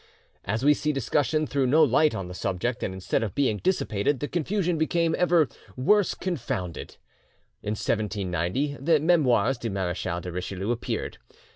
As we see, discussion threw no light on the subject, and instead of being dissipated, the confusion became ever "worse confounded." In 1790 the 'Memoires du Marechal de Richelieu' appeared.